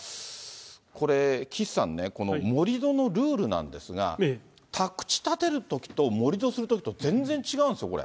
これ、岸さんね、この盛り土のルールなんですが、宅地建てるときと、盛り土するときと、全然違うんですよ、これ。